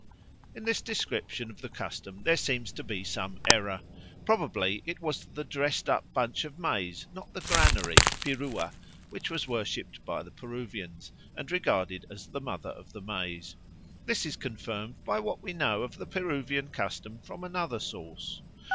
_" In this description of the custom there seems to be some error. Probably it was the dressed up bunch of maize, not the granary (Pirua), which was worshipped by the Peruvians and regarded as the Mother of the Maize. This is confirmed by what we know of the Peruvian custom from another source.